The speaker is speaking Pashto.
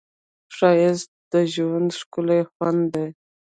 ښایست د ژوند ښکلی خوند دی